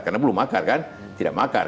karena belum makar kan tidak makar